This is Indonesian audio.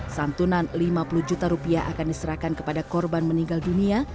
santunan lima puluh juta rupiah akan diserahkan kepada korban meninggal dunia